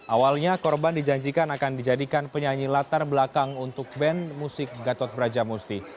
awalnya korban dijanjikan akan dijadikan penyanyi latar belakang untuk band musik gatot brajamusti